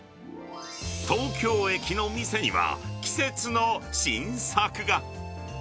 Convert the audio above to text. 東京駅のお店には、季節の新作が。